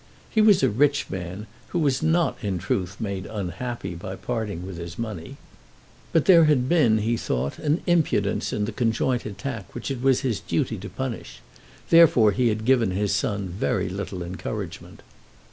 He was a rich man, who was not in truth made unhappy by parting with his money. But there had been, he thought, an impudence in the conjoint attack which it was his duty to punish. Therefore he had given his son very little encouragement.